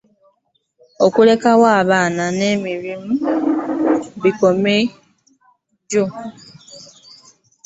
Alekera banne emirimu ne bamenyeka nagyo.